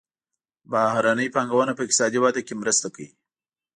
بهرنۍ پانګونه په اقتصادي وده کې مرسته کوي.